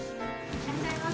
いらっしゃいませ。